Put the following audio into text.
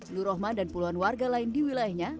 nur rohman dan puluhan warga lain di wilayahnya